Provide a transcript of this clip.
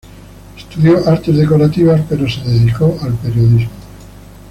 Estudió artes decorativas, pero se dedicó al periodismo.